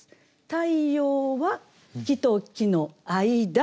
「太陽は木と木の間」。